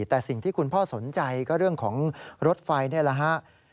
แต่สิ่งที่คุณพ่อสนใจก็เรื่องของรถไฟนี่แหละฮะ